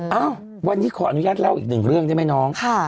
เอ้าวันนี้ขออนุญาตเล่าอีกหนึ่งเรื่องได้ไหมน้อง